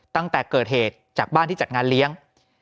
ตั้งแต่เกิดเหตุจากบ้านที่จัดงานเลี้ยง